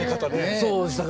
そうでしたか。